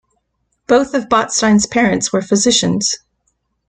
Both of Botstein's parents were physicians.